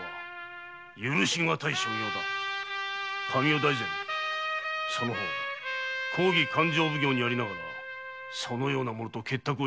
神尾大膳その方公儀勘定奉行にありながらそのような者と結託致すとは！